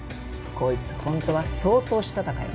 こいつ本当は相当したたかよ。